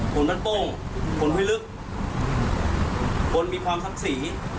คนบ้านโต้งคนห้วยลึกคนมีความทรัพย์สี